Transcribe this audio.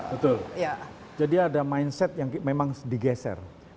betul jadi ada mindset yang memang digeser